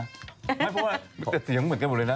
ไม่เพราะว่ามีแต่เสียงเหมือนกันหมดเลยนะ